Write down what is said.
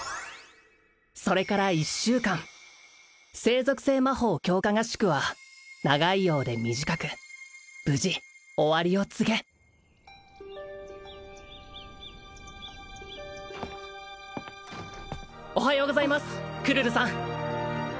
それから１週間聖属性魔法強化合宿は長いようで短く無事終わりを告げおはようございますクルルさん